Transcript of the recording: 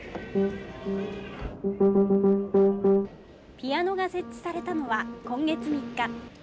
ピアノが設置されたのは今月３日。